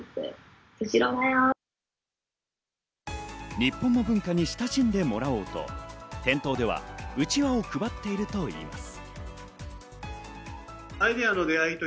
日本の文化に親しんでもらおうと店頭ではうちわを配っているといいます。